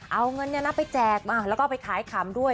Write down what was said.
เอาเงินไปแจกมาแล้วก็ไปขายขำด้วย